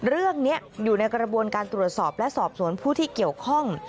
เรื่องนี้อยู่ในกระบวนการตรวจสอบและสอบสวนผู้ที่เกี่ยวข้อง